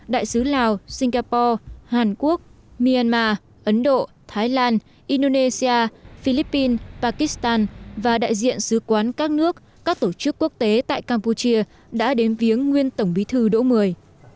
đại sứ lào singapore hàn quốc myanmar ấn độ thái lan indonesia philippines pakistan và đại diện sứ quán các nước các tổ chức quốc tế tại campuchia đã đến viếng nguyên tổng bí thư đỗ mười